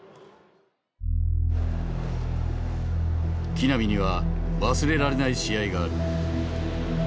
木浪には忘れられない試合がある。